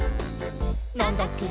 「なんだっけ？！